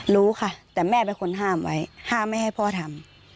รู้ค่ะแต่แม่เป็นคนห้ามไว้ห้ามไม่ให้พ่อทำ